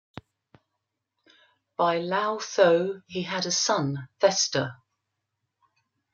By Laothoe he had a son Thestor.